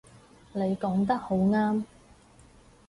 你講得好啱